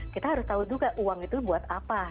kita harus tahu juga uang itu buat apa